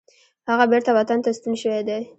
هغه بیرته وطن ته ستون شوی دی.